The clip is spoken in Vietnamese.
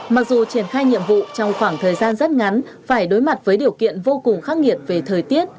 mặc dù triển khai nhiệm vụ trong khoảng thời gian rất ngắn phải đối mặt với điều kiện vô cùng khắc nghiệt về thời tiết